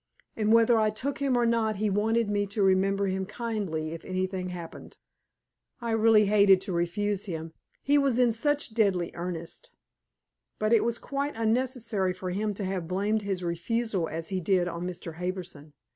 And whether I took him or not he wanted me to remember him kindly if anything happened. I really hated to refuse him he was in such deadly earnest. But it was quite unnecessary for him to have blamed his refusal, as he did, on Mr. Harbison.